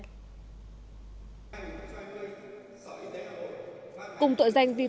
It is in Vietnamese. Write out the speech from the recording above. cùng tội danh viên tòa phòng thư ký biên tập